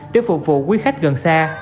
để phục vụ quý khách gần xa